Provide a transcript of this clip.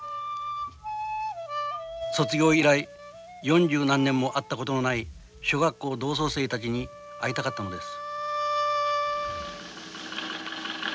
卒業以来四十何年も会ったことのない小学校同窓生たちに会いたかったのです